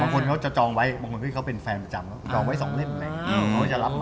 บางคนเขาจะจองไว้บางคนเขาเป็นแฟนประจำจองไว้๒เล่นแหละ